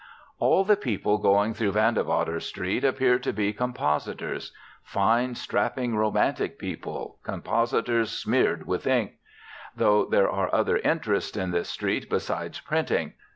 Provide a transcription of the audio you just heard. All the people going through Vandewater Street appear to be compositors. Fine, strapping, romantic people, compositors, smeared with ink! Though there are other interests in this street besides printing.